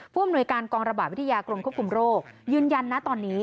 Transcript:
ผู้อำนวยการกองระบาดวิทยากรมควบคุมโรคยืนยันนะตอนนี้